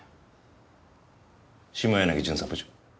下柳巡査部長。